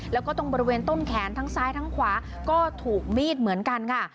แล้วก็ตรงบริเวณต้นแขนทั้งซ้ายทั้งขวาก็ถูกมีดเหมือนกันค่ะ